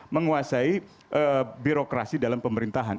menguasai birokrasi dalam pemerintahan